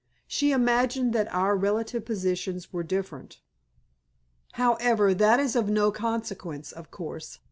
She imagined that our relative positions were different. However, that is of no consequence, of course.